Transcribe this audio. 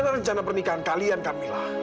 gimana rencana pernikahan kalian kak mila